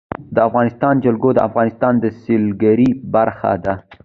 د افغانستان جلکو د افغانستان د سیلګرۍ برخه ده.